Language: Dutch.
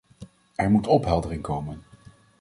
Er moet opheldering komen!